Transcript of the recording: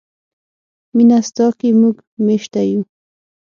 مینه ستا کې موږ میشته یو.